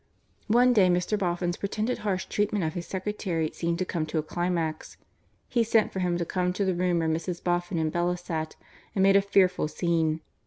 One day Mr. Boffin's pretended harsh treatment of his secretary seemed to come to a climax. He sent for him to come to the room where Mrs. Boffin and Bella sat, and made a fearful scene.